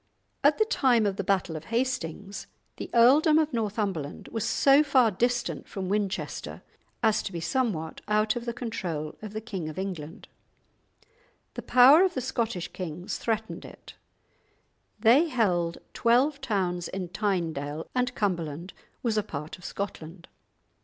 At the time of the battle of Hastings, the earldom of Northumberland was so far distant from Winchester as to be somewhat out of the control of the King of England; the power of the Scottish kings threatened it; they held twelve towns in Tynedale, and Cumberland was a part of Scotland.